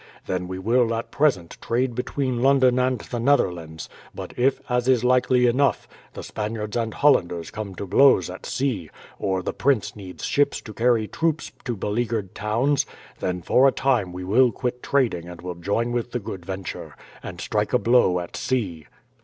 Then we will, as at present, trade between London and the Netherlands; but if, as is likely enough, the Spaniards and Hollanders come to blows at sea, or the prince needs ships to carry troops to beleaguered towns, then for a time we will quit trading and will join with the Good Venture, and strike a blow at sea."